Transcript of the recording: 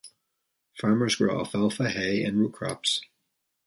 Farmers grow alfalfa, hay, and root crops.